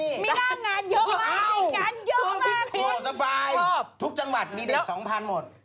มีหน้างานเยอะมากมีหน้างานเยอะมากโอ้โฮสบายทุกจังหวัดมีเด็ก๒๐๐๐หมด